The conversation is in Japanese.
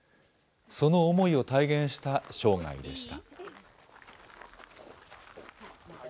その思いを体現した生涯でした。